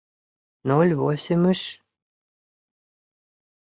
«Ноль восемьыш»?